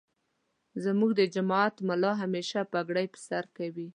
زمونږ دجماعت ملا همیشه پګړی پرسرکوی.